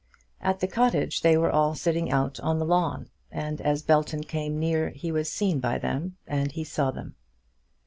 At the cottage they were all sitting out on the lawn; and as Belton came near he was seen by them, and he saw them.